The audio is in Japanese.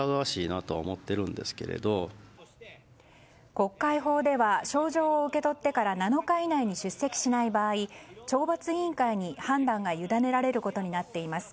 国会法では招状を受け取ってから７日以内に出席しない場合懲罰委員会に判断が委ねられることになっています。